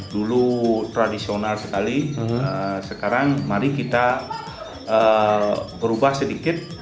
dulu tradisional sekali sekarang mari kita berubah sedikit